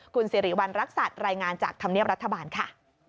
คุณสิริวัณรักษัตริย์รายงานจากธรรมเนียบรัฐบาลค่ะ